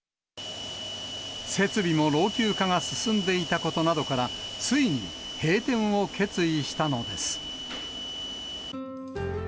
設備も老朽化が進んでいたことなどから、ついに閉店を決意したのです。